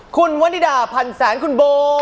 คุณวนิดาพันแสนคุณโบ